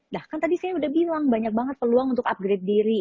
dah kan tadi saya udah bilang banyak banget peluang untuk upgrade diri